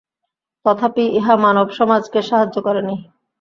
তথাপি ইহা মানবসমাজকে সাহায্য করে নাই।